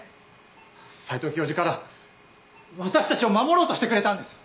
斎藤教授から私たちを守ろうとしてくれたんです！